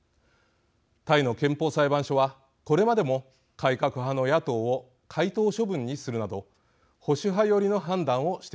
タイの憲法裁判所はこれまでも改革派の野党を解党処分にするなど保守派寄りの判断をしてきました。